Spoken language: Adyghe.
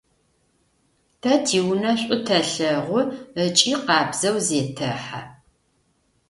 Тэ тиунэ шӏу тэлъэгъу ыкӏи къабзэу зетэхьэ.